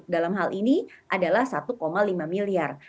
dalam hal ini adalah satu lima miliar